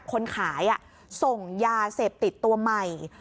คนขายส่งยาเสพติดตัวใหม่